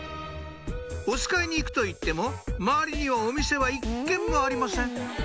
おつかいに行くといっても周りにはお店は１軒もありません